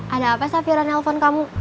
ada apa safiran nelfon kamu